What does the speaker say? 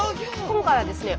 今回はですね